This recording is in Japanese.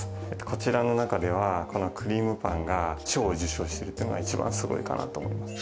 こちらの中ではこのクリームパンが賞を受賞してるっていうのが一番すごいかなと思います